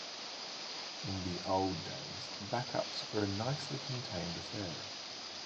In the "old days", backups were a nicely contained affair.